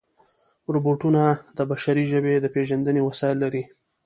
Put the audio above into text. روبوټونه د بشري ژبې د پېژندنې وسایل لري.